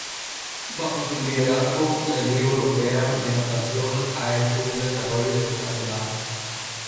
Bajo su liderazgo, la Liga Europea de Natación ha hecho un desarrollo espectacular.